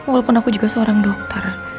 walaupun aku juga seorang dokter